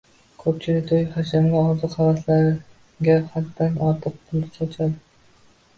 Ko‘pchilik to‘y-hashamga, orzu-havaslarga haddan ortiq pul sochadi